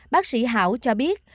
bác sĩ hảo cho biết